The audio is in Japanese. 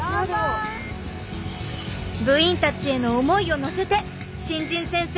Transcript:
部員たちへの思いを乗せて新人先生